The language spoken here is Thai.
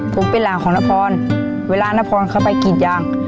ผมเป็นหลานของนพรเวลานพรเขาไปกรีดยาง